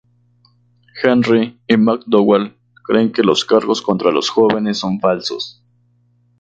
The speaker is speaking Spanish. Henry y McDougal creen que los cargos contra los jóvenes son falsos.